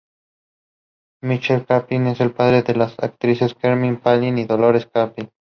Michael Chaplin es el padre de las actrices Carmen Chaplin y Dolores Chaplin.